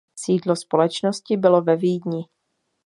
Sídlo společnosti bylo ve Vídni.